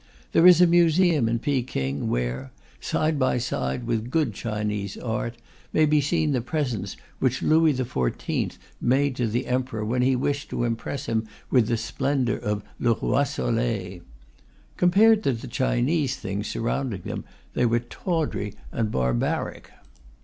There is a museum in Peking where, side by side with good Chinese art, may be seen the presents which Louis XIV made to the Emperor when he wished to impress him with the splendour of Le Roi Soleil. Compared to the Chinese things surrounding them, they were tawdry and barbaric.